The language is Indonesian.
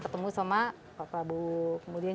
ketemu sama pak prabowo kemudian